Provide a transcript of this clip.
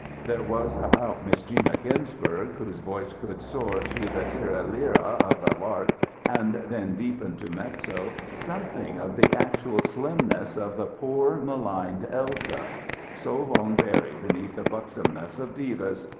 There was about Miss Gina Berg, whose voice could soar to the tirra lirra of a lark and then deepen to mezzo, something of the actual slimness of the poor, maligned Elsa so long buried beneath the buxomness of divas.